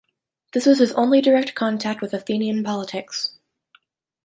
This was his only direct contact with Athenian politics.